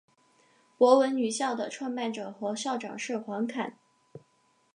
博文女校的创办者和校长是黄侃。